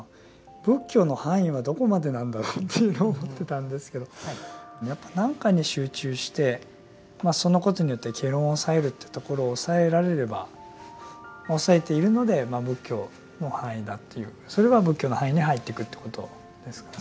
仏教の範囲はどこまでなんだろうというふうに思ってたんですけどやっぱ何かに集中してそのことによって戯論を抑えるというところを押さえられれば押さえているのでまあ仏教の範囲だというそれは仏教の範囲に入ってくということですかね。